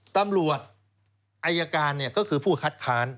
ตำรวจอายการก็คือผู้คัดค้าน